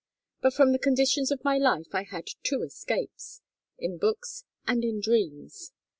But from the conditions of my life I had two escapes in books and in dreams.